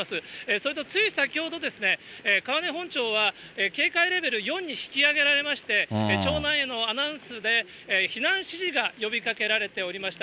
それとつい先ほど、川根本町は、警戒レベル４に引き上げられまして、町内のアナウンスで避難指示が呼びかけられておりました。